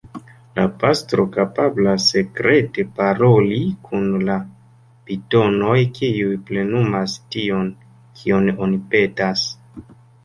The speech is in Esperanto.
La pastro kapablas sekrete paroli kun la pitonoj kiuj plenumas tion, kion oni petas.